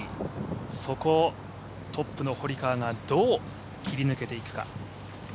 そこをトップの堀川がどう切り抜けていくか。